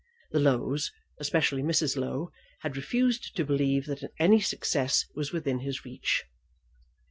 The Lows, especially Mrs. Low, had refused to believe that any success was within his reach.